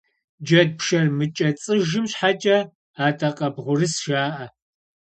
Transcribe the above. Джэд пшэр мыкӏэцыжым щхьэкӏэ адакъэбгъурыс жаӏэ.